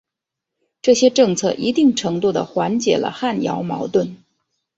这些政策一定程度的缓解了汉瑶矛盾。